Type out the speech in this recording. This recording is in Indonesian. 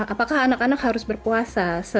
apakah anak anak harus berpuasa